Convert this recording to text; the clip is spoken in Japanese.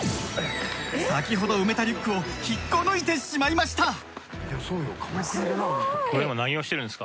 先ほど埋めたリュックを引っこ抜いてしまいました。